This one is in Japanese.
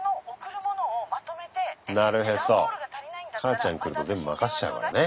母ちゃん来ると全部任しちゃうからね。